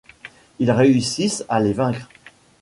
Ils réussissent à les vaincre.